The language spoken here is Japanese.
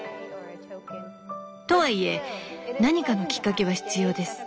とはいえ何かのきっかけは必要です。